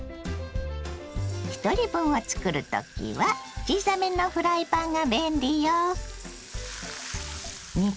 ひとり分を作る時は小さめのフライパンが便利よ。